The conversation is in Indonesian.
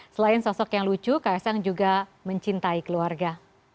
selain sosok yang lucu kaisang juga mencintai keluarga